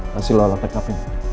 hasil olah tkp